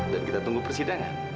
dan kita tunggu persidangan